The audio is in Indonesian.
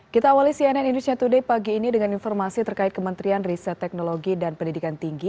kita awali cnn indonesia today pagi ini dengan informasi terkait kementerian riset teknologi dan pendidikan tinggi